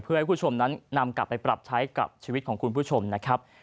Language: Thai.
เพื่อให้คุณผู้ชมนั้นนำกลับไปปรับใช้กับชีวิตของคุณผู้ชมนะครับ